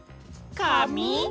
かみ？